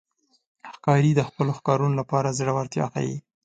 ښکاري د خپلو ښکارونو لپاره زړورتیا ښيي.